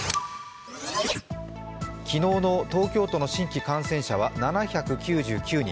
昨日の東京都の新規感染者は７９９人。